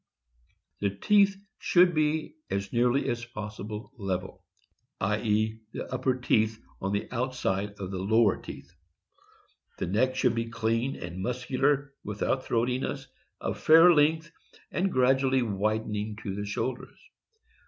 The teeth should be as nearly as possible level; i. e.y the upper teeth on the outside of the lower teeth. Neck should be clean and muscular, without throati ness, of fair length, and gradually widening to the shoul ders.